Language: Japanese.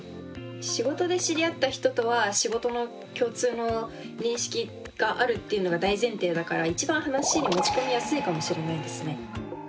仕事で知り合った人とは仕事の共通の認識があるっていうのが大前提だから一番話に持ち込みやすいかもしれないですね。